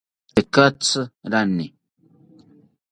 Tekatzi rane